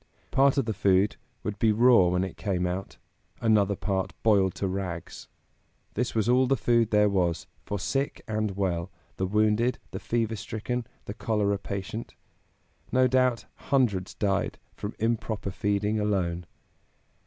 Part of the food would be raw when it came out, another part boiled to rags. This was all the food there was, for sick and well, the wounded, the fever stricken, the cholera patient. No doubt hundreds died from improper feeding alone.